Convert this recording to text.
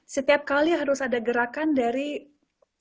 setiap kali harus ada gerakan dari masyarakat sivil umum